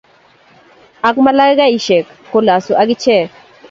Ak ma aika-isiek, kolosu agichek.